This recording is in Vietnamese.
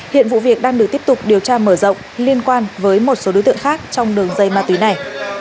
hiện vụ việc đang được tiếp tục điều tra mở rộng liên quan với một số đối tượng khác trong đường dây ma túy này